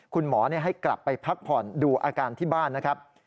คุณหมอให้กลับไปพักผ่อนดูอาการที่บ้านนะครับ